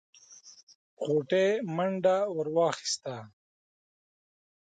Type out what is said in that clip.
غوټۍ منډه ور واخيسته.